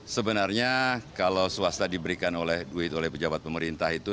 sebenarnya kalau swasta diberikan oleh duit oleh pejabat pemerintah itu